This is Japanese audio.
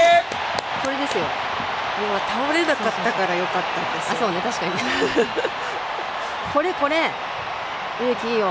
今、倒れなかったからよかったんですよ。